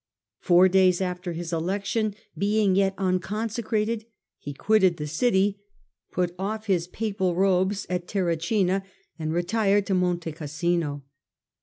Four days after his election, being yet tmconsecrated, he quitted the city, put oflFhis papal robes at Terracina, and retired to Monte Cassino.